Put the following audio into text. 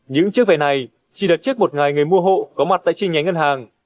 những chiếc vé này chỉ đặt trước một ngày người mua hộ có mặt tại chi nhánh ngân hàng